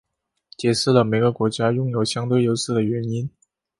揭示了每个国家拥有相对优势的原因。